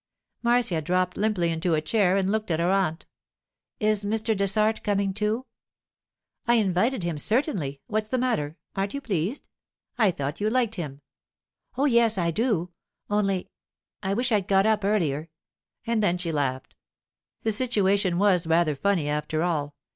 Marcia dropped limply into a chair and looked at her aunt. 'Is Mr. Dessart coming too?' 'I invited him, certainly. What's the matter? Aren't you pleased? I thought you liked him.' 'Oh, yes, I do; only—I wish I'd got up earlier!' And then she laughed. The situation was rather funny, after all.